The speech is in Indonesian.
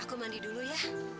aku mandi dulu ya